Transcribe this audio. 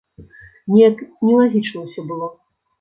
Неяк нелагічна ўсё было.